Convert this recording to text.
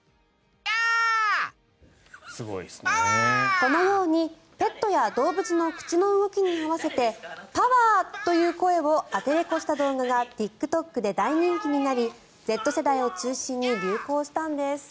このようにペットや動物の口の動きに合わせてパワー！という声をアテレコした動画がＴｉｋＴｏｋで大人気となりＺ世代を中心に流行したんです。